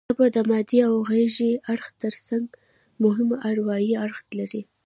ژبه د مادي او غږیز اړخ ترڅنګ مهم اروايي اړخ لري